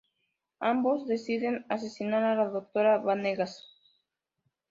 Ambos deciden asesinar a la doctora Vanegas.